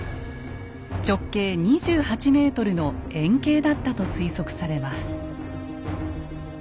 直径２８ｍの円形だったと推測されます。